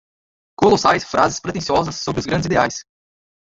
colossais frases pretensiosas sobre os grandes ideais